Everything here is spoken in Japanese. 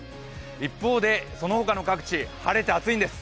一方でその他の各地、晴れて暑いんです。